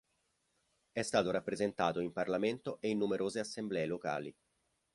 È stato rappresentato in Parlamento e in numerose assemblee locali.